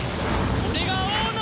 これが王の。